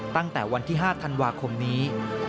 ตั้งแต่วันที่๕ธันวาคมนี้